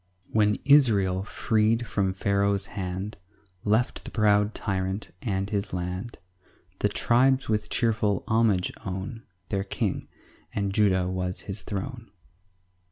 1 When Israel, freed from Pharaoh's hand, Left the proud tyrant and his land, The tribes with cheerful homage own Their King, and Judah was his throne.